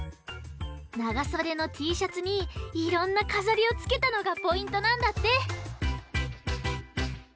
ながそでのＴシャツにいろんなかざりをつけたのがポイントなんだって！